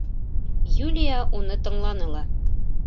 Юлия уны тыңланы ла: